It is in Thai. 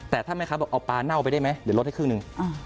แต่ถ้าแม่ค้าบอกเอาปลาเน่าไปได้ไหมเดี๋ยวลดให้ครึ่งหนึ่ง